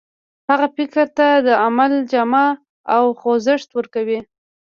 هغه فکر ته د عمل جامه او خوځښت ورکوي.